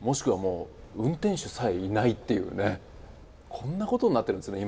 こんなことになってるんですね